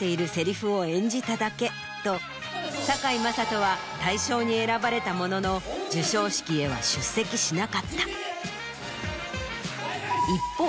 と堺雅人は大賞に選ばれたものの授賞式へは出席しなかった。